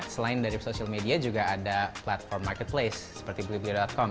selain dari social media juga ada platform marketplace seperti belibeli com